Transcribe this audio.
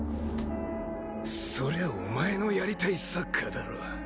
そりゃお前のやりたいサッカーだろ？